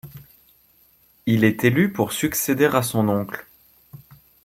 Il est élu le pour succéder à son oncle.